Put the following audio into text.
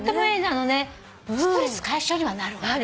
あのねストレス解消にはなるわね。